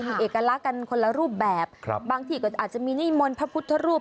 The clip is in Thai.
มีเอกลักษณ์กันคนละรูปแบบครับบางทีก็อาจจะมีนิมนต์พระพุทธรูป